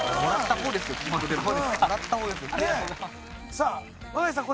さあ若井さん